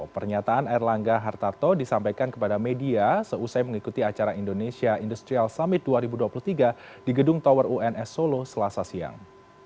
pernyataan erlangga hartarto disampaikan kepada media seusai mengikuti acara indonesia industrial summit dua ribu dua puluh tiga di gedung tower uns solo selasa siang